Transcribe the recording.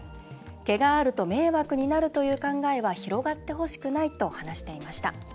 毛があると迷惑になるという考えは広がってほしくないと話していました。